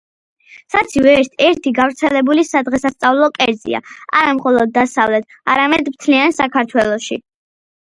საცივი ერთ ერთი გავრცელებული სადღესასწაულო კერძია არა მხოლოდ დასავლეთ, არამედ მთლიანად საქართველოში.